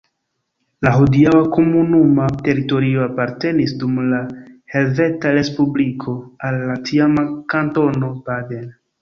La hodiaŭa komunuma teritorio apartenis dum la Helveta Respubliko al la tiama Kantono Baden.